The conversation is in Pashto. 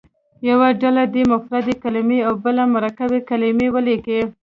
یوه ډله دې مفردې کلمې او بله مرکبې کلمې ولیکي.